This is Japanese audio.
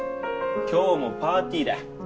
今日もパーティーだ。